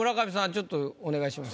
ちょっとお願いします。